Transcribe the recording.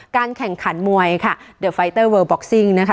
แข่งขันมวยค่ะเดอร์ไฟเตอร์เวอร์บ็อกซิ่งนะคะ